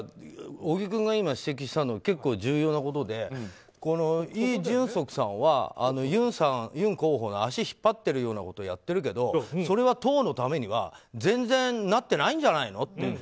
小木君が今、指摘したのは結構重要なことでイ・ジュンソクさんはユン候補の足を引っ張ってるようなことをやっているけどそれは党のためには全然なってないんじゃないのって。